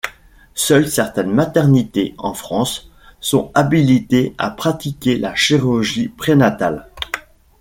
Seules certaines Maternités en France, sont habilitées à pratiquer la chirurgie prénatale.